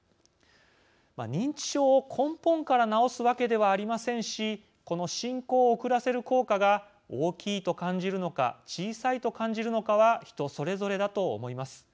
認知症を根本から治すわけではありませんしこの進行を遅らせる効果が大きいと感じるのか小さいと感じるのかは人それぞれだと思います。